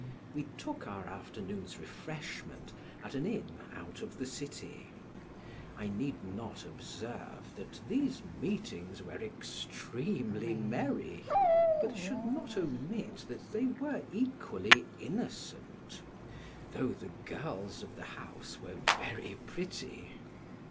We took our afternoon's refreshment at an inn out of the city. I need not observe that these meetings were extremely merry, but should not omit that they were equally innocent, though the girls of the house were very pretty.